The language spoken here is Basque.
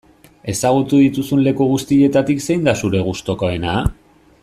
Ezagutu dituzun leku guztietatik zein da zure gustukoena?